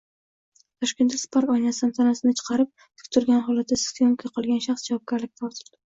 Toshkentda Spark oynasidan tanasini chiqarib, tik turgan holatda syomka qilgan shaxs javobgarlikka tortildi